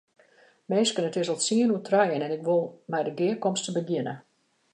Minsken, it is al tsien oer trijen en ik wol mei de gearkomste begjinne.